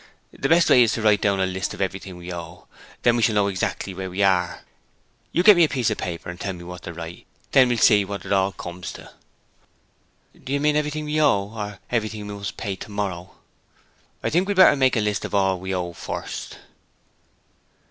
'The best way is to write out a list of everything we owe; then we shall know exactly where we are. You get me a piece of paper and tell me what to write. Then we'll see what it all comes to.' 'Do you mean everything we owe, or everything we must pay tomorrow.' 'I think we'd better make a list of all we owe first.'